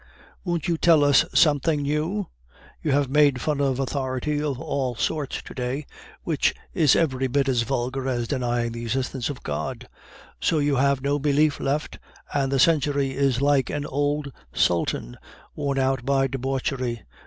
"Won't you tell us something new? You have made fun of authority of all sorts to day, which is every bit as vulgar as denying the existence of God. So you have no belief left, and the century is like an old Sultan worn out by debauchery!